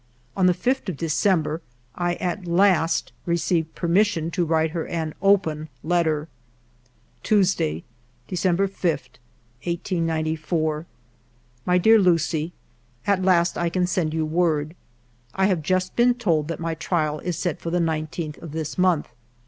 On the 5th of December I at last received permission to write her an open letter :—Tuesday, December 5, 1894. "My dear Lucie, —" At last I can send you word. I have just been told that my trial is set for the 19th of this month.